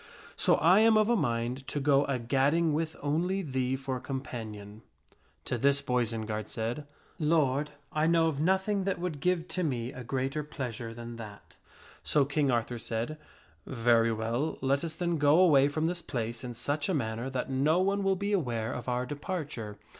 So I am of a mind to go a gadding with only thee for companion." To this Boisenard said, " Lord, I know of nothing that would give to me a greater pleasure than that." So King Arthur said, " Very well, let us then go away from this place in such a manner that no one will be aware of our departure.